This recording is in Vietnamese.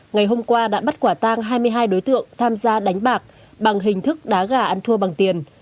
ngày hôm qua đã bắt quả tang hai mươi hai đối tượng tham gia đánh bạc bằng hình thức đá gà ăn thua bằng tiền